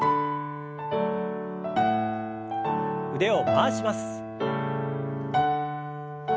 腕を回します。